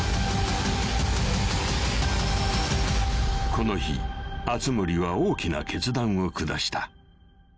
［この日熱護は大きな決断を下した］